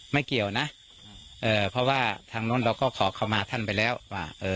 ไม่เกี่ยวนะเอ่อเพราะว่าทางนู้นเราก็ขอเข้ามาท่านไปแล้วว่าเอ่อ